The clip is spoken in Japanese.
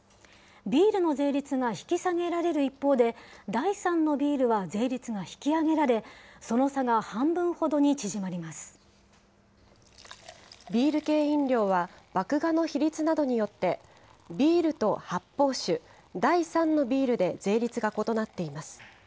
ビールの税率が引き下げられる一方で、第３のビールは税率が引き上げられ、ビール系飲料は、麦芽の比率などによって、ビールと発泡酒、第３のビールで税率が異なっています。